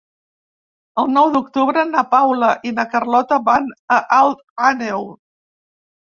El nou d'octubre na Paula i na Carlota van a Alt Àneu.